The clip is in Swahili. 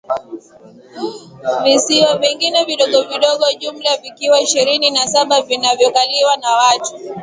visiwa vingine vidogo vidogo jumla vikiwa ishirini na saba vinavyokaliwa na watu